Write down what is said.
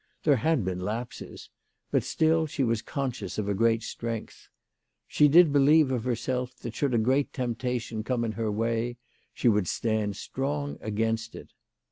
There had been lapses, but still she was conscious of great strength. She did believe of herself that should a great temptation come in her way she would stand strong against it.